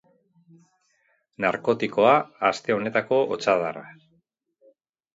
Narkotikoa aste honetako hotsadarra.